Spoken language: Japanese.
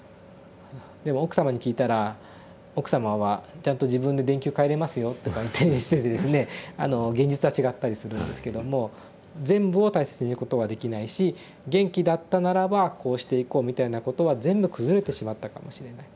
でも奥様に聞いたら奥様は「ちゃんと自分で電球替えれますよ」とかいって現実は違ったりするんですけども全部を大切にすることはできないし「元気だったならばこうしていこう」みたいなことは全部崩れてしまったかもしれない。